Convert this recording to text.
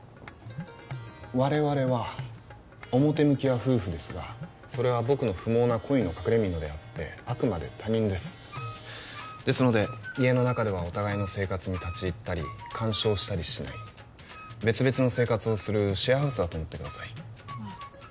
我々は表向きは夫婦ですがそれは僕の不毛な恋の隠れみのであってあくまで他人ですですので家の中ではお互いの生活に立ち入ったり干渉したりしない別々の生活をするシェアハウスだと思ってくださいああ